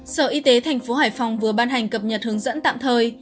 sở y tế tp hải phòng vừa ban hành cập nhật hướng dẫn tạm thời